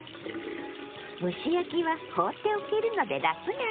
蒸し焼きは放っておけるので楽なの。